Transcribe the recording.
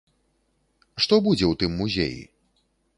Што будзе ў тым музеі?